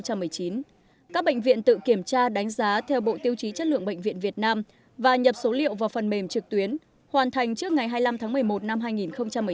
các bệnh viện tự kiểm tra đánh giá theo bộ tiêu chí chất lượng bệnh viện việt nam và nhập số liệu vào phần mềm trực tuyến hoàn thành trước ngày hai mươi năm tháng một mươi một năm hai nghìn một mươi chín